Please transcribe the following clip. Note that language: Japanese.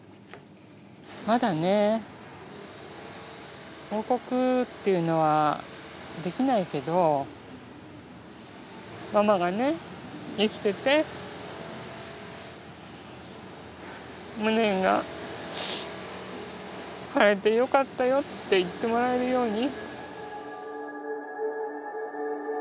まだね報告っていうのはできないけどママがね生きてて無念が晴れてよかったよって言ってもらえるように。